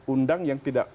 undang yang tidak